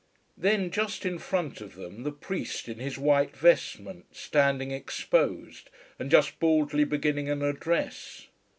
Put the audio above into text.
Then just in front of them the priest in his white vestment, standing exposed, and just baldly beginning an address.